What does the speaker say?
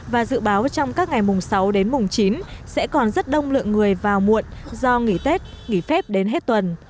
và dự báo trong các ngày mùng sáu đến mùng chín sẽ còn rất đông lượng người vào muộn do nghỉ tết nghỉ phép đến hết tuần